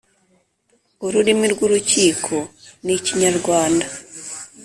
Ururimi rw urukiko ni Ikinyarwanda